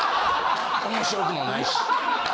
面白くもないし。